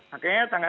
makanya tanggal enam